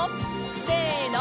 せの！